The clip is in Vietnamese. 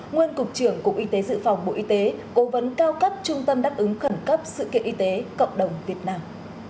nguyên cục trưởng cục y tế dự phòng bộ y tế cố vấn cao cấp trung tâm đáp ứng khẩn cấp sự kiện y tế cộng đồng việt nam